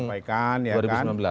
tawaran itu juga disampaikan